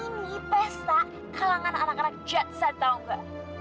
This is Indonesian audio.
ini pesta kalangan anak anak jatsa tau gak